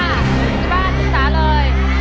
ที่บ้านบริษัทเลย